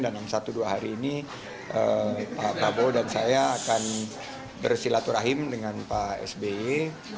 dan dalam satu dua hari ini pak prabowo dan saya akan bersilaturahim dengan pak sbe